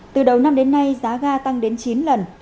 từ đầu năm đến nay giá ga tăng đến chín lần